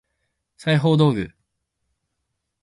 裁縫道具